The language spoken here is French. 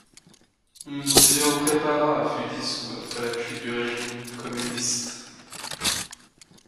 Biopreparat fut dissous après la chute du régime communiste.